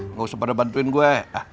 nggak usah pada bantuin gue